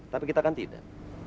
tapi kita kan tidak